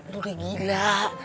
lu udah gila